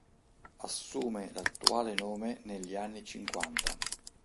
Assume l'attuale nome negli anni Cinquanta.